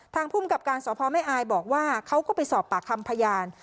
ภูมิกับการสพแม่อายบอกว่าเขาก็ไปสอบปากคำพยาน